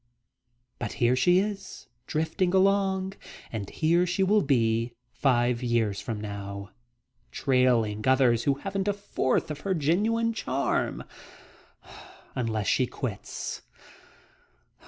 But here she is, drifting along, and here she will be five years from now, trailing others who haven't a fourth of her genuine charm, unless she quits.